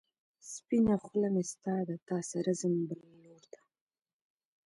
سپينه خلۀ مې ستا ده، تا سره ځمه بل لور ته